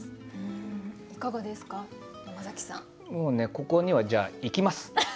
ここにはじゃあ行きます。